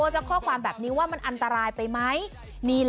อย่าทำทำไปทำไม